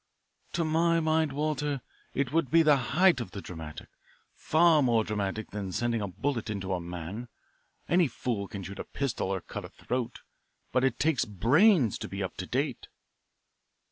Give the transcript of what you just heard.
"To my mind, Walter, it would be the height of the dramatic far more dramatic than sending a bullet into a man. Any fool can shoot a pistol or cut a throat, but it takes brains to be up to date."